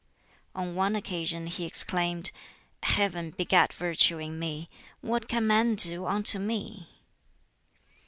On one occasion he exclaimed, "Heaven begat Virtue in me; what can man do unto me?"